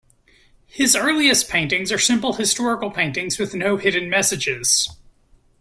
His earliest paintings are simple historical paintings with no hidden messages.